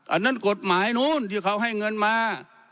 อันนั้นกฎหมายนู้นที่เขาให้เงินมา